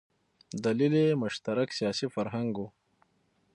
دلیل یې مشترک سیاسي فرهنګ و.